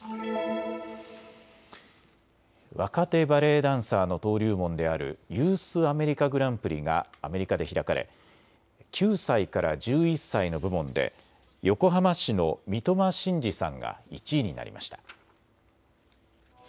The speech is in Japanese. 若手バレエダンサーの登竜門であるユース・アメリカ・グランプリがアメリカで開かれ９歳から１１歳の部門で横浜市の三苫心嗣さんが１位になりました。